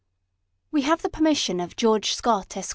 1 WE have the permission of George Scott, Esq.